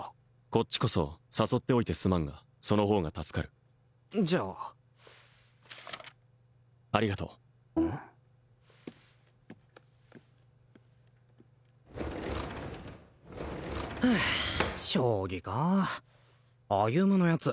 こっちこそ誘っておいてすまんがその方が助かるじゃあありがとうはあ将棋か歩のヤツ